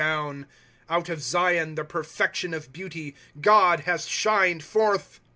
Google 2 Out of Zion, the perfection of beauty, God has shiued forth.